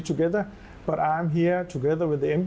กับเรือเรื่องนำเพื่อสร้างขึ้นไป